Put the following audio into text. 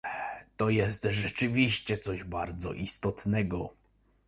To jest rzeczywiście coś bardzo istotnego